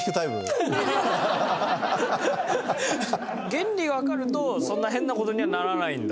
原理がわかるとそんな変な事にはならないんだ。